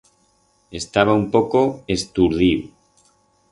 Estaba un poco esturdiu.